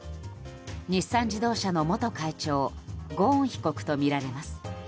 日産自動車の元会長ゴーン被告とみられます。